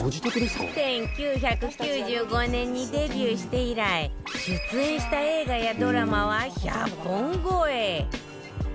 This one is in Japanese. １９９５年にデビューして以来出演した映画やドラマは１００本超え。